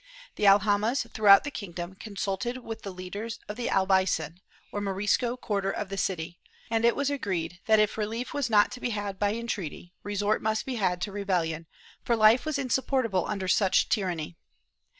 The al jamas throughout the kingdom consulted with the leaders of the Albay cin, or Morisco quarter of the city, and it was agreed that, if relief was not to be had by entreaty, resort must be had to rebellion, for life was insupportable under such tyranny.